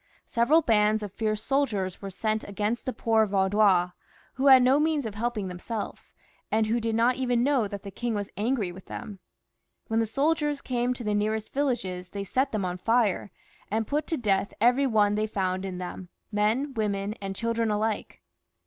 Several bands of fierce soldiers were sent against the poor Vaudois, who had no means of helping themselves, and who did not even know that the king was angry with XXXIV.] FRANCIS I. 245 > them. When the soldiers came to the nearest villages they set them on fire, and put to death every one they found in them, men, women, and children alike.